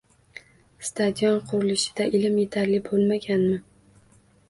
Stadion qurilishida ilm yetarli bo'lmaganmi?